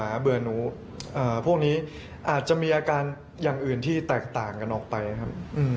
อาจจะมีอาการอย่างอื่นที่แตกต่างกันออกไปครับ